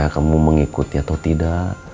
kamu mengikuti atau tidak